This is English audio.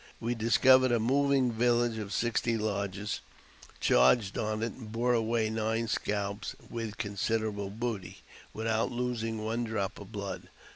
We discovered a moving village of sixty lodges, charged on it, and bore away nine scalps, with con siderable booty, without losing one drop of blood.